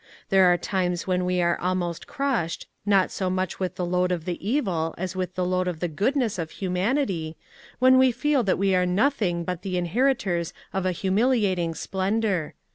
There are times when we are almost crushed, not so much with the load of the evil as with the load of the goodness of humanity, when we feel that we are nothing but the inher itors of a humiliating splendour.